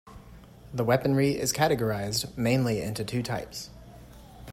The weaponry is categorized mainly into two types.